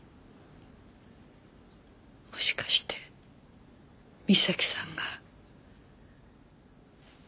もしかしてみさきさんが。